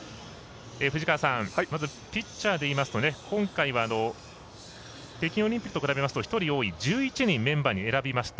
藤川さん、ピッチャーでいうと今回は、北京オリンピックと比べますと１人多い１１人、メンバーに選びました。